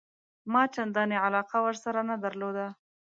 ما چنداني علاقه ورسره نه درلوده.